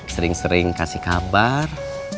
sering sering kasih kabar